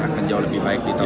akan jauh lebih baik di togok